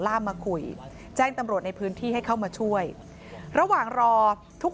ล่ามมาคุยแจ้งตำรวจในพื้นที่ให้เข้ามาช่วยระหว่างรอทุก